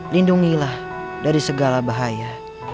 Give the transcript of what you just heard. lindungilah dari segala bahaya